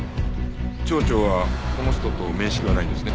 町長はこの人と面識はないんですね？